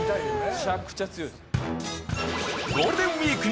めちゃくちゃ強いです。